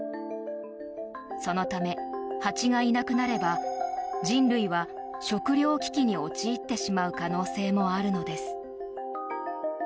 そのため、蜂がいなくなれば人類は食料危機に陥ってしまう可能性もあるのです。